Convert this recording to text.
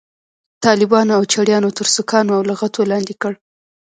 طالبانو او چړیانو تر سوکانو او لغتو لاندې کړ.